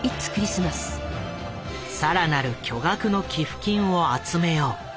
更なる巨額の寄付金を集めよう。